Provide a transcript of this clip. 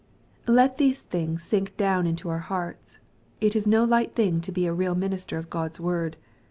Let these things sink down into our hearts. It is no light thing to be a real minister of God's Word.